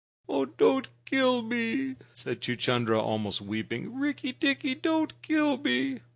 "Don't kill me," said Chuchundra, almost weeping. "Rikki tikki, don't kill me!"